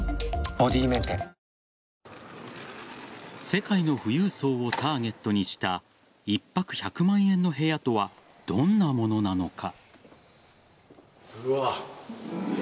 世界の富裕層をターゲットにした一泊１００万円の部屋とはどんなものなのか。